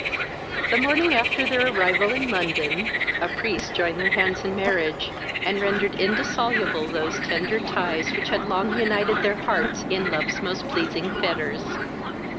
The morning after their arrival in London, a priest joined their hands in marriage, and rendered indissoluble those tender ties which had long united their hearts in love's most pleasing fetters.